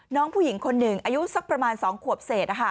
น้องผู้หญิงคนหนึ่งอายุสักประมาณ๒ขวบเศษ